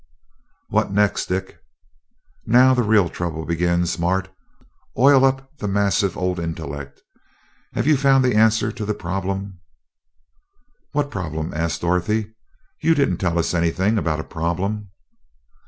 "What next, Dick?" "Now the real trouble begins. Mart, oil up the massive old intellect. Have you found the answer to the problem?" "What problem?" asked Dorothy. "You didn't tell us anything about a problem."